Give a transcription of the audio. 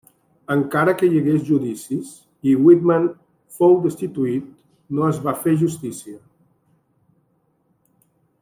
Encara que hi hagué judicis i Whitman fou destituït, no es va fer justícia.